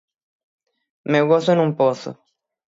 Meu gozo nun pozo.